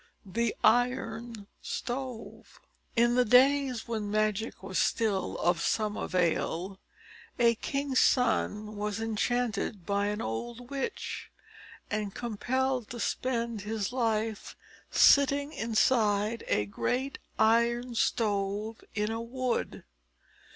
THE IRON STOVE. In the days when magic was still of some avail, a king's son was enchanted by an old witch, and compelled to spend his life sitting inside a great Iron Stove in a wood.